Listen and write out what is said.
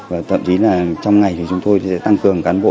và thậm chí trong ngày chúng tôi sẽ tăng cường cán bộ